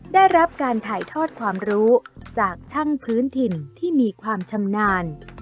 ได้รับการถ่ายทอดความรู้จากช่างพื้นถิ่นที่มีความชำนาญ